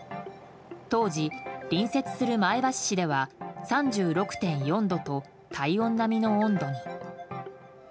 当時、隣接する前橋市では３６．４度と体温並みの温度に。